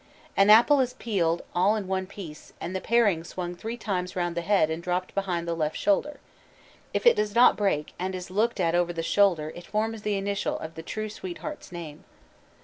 _ An apple is peeled all in one piece, and the paring swung three times round the head and dropped behind the left shoulder. If it does not break, and is looked at over the shoulder it forms the initial of the true sweetheart's name.